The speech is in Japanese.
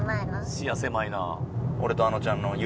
視野狭いな。